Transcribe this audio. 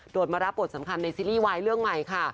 มารับบทสำคัญในซีรีส์วายเรื่องใหม่ค่ะ